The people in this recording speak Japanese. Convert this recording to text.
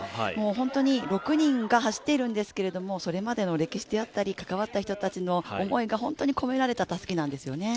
ホントに６人が走っているんですけど、それまでの歴史であったり関わった人の思いが本当に込められた、たすきなんですよね。